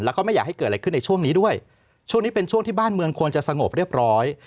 แล้วก็ไม่อยากให้เกิดอะไรขึ้นในช่วงนี้ด้วยช่วงนี้เป็นช่วงที่บ้านเมืองควรจะสงบเรียบร้อย